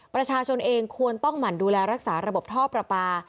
ประชาชนเองควรต้องหมั่นดูแลรักษาระบบท่อประปา